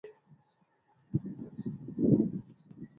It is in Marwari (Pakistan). لاڏِي نيَ ڪمرَي ۾ ٻيھاڙَي ھيََََ